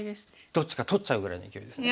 どっちか取っちゃうぐらいのいきおいですか？